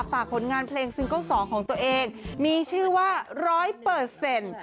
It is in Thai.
ฝากผลงานเพลงซิงเกิลสองของตัวเองมีชื่อว่าร้อยเปอร์เซ็นต์